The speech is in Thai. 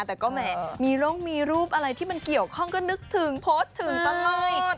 แต่ก็แหมมีร่องมีรูปอะไรที่มันเกี่ยวข้องก็นึกถึงโพสต์ถึงตลอด